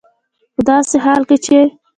په داسې حال کې چې